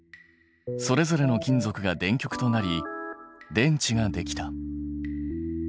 それぞれの金属が電極となり電池ができた。